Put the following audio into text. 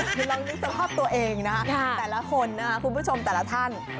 มีร้องรู้สภาพตัวเองนะแต่ละคนนะคุณผู้ชมแต่ละท่าน